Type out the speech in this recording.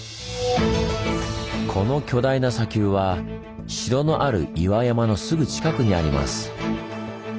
この巨大な砂丘は城のある岩山のすぐ近くにあります。